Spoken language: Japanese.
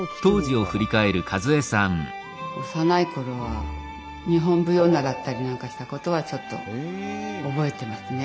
幼い頃は日本舞踊を習ったりなんかしたことはちょっと覚えていますね。